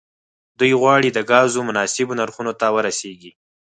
دوی غواړي د ګازو مناسبو نرخونو ته ورسیږي